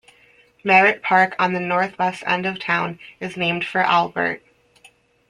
Merritt Park on the northwest end of town is named for Albert.